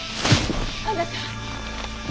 あなた。